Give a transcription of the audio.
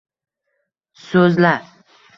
So’zla